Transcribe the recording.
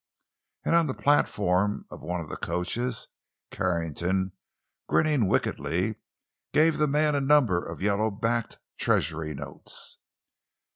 And on the platform of one of the coaches, Carrington, grinning wickedly, gave the man a number of yellow backed treasury notes.